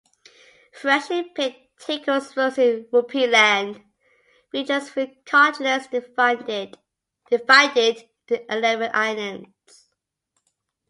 "Freshly-Picked Tingle's Rosy Rupeeland" features three continents divided into eleven islands.